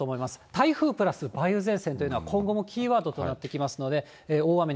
台風プラス梅雨前線というのは、今後もキーワードとなってきます